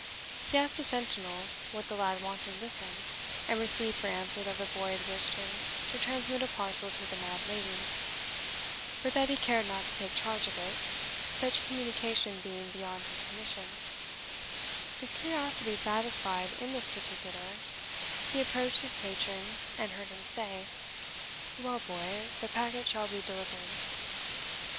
He asked the sentinel what the lad wanted with him, and received for answer that the boy had wished him to transmit a parcel to the mad lady; but that he cared not to take charge of it, such communication being beyond his commission, His curiosity satisfied in that particular, he approached his patron, and heard him say, "Well, boy, the packet shall be delivered."